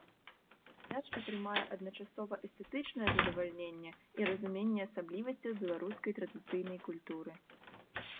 Глядач атрымае адначасова эстэтычнае задавальненне і разуменне асаблівасцяў беларускай традыцыйнай культуры.